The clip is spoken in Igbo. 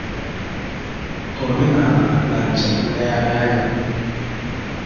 omenala na njem nlegharị anya